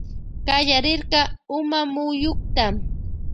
Kallarirka umamuyuta.